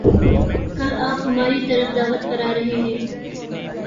کل آپ ہماری طرف دعوت پر آرہے ہیں